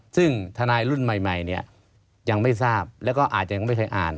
ซึ่งทนายรุ่นใหม่เนี่ยยังไม่ทราบแล้วก็อาจจะยังไม่เคยอ่าน